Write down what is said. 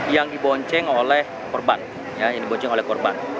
yang dibonceng oleh korban